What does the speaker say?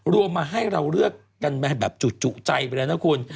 รวมมาให้เราเลือกกันแบบจุใจไปเลยนะคุณ